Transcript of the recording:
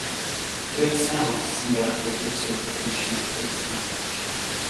Фрэнк сайн хувцасласан байх бөгөөд сүйх тэрэг нь шинэ болохыг бүсгүй анзаарчээ.